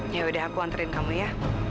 yaudah aku anterin kamu ya